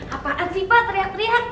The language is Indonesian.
apaan sih pak teriak teriak